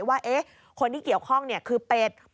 ว่าคนที่เกี่ยวข้องคือเป็ด